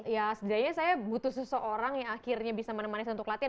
ya setidaknya saya butuh seseorang yang akhirnya bisa menemani saya untuk latihan